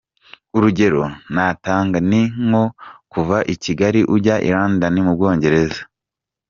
Urugero natanga ni nko kuva i Kigali ujya i London mu Bwongereza :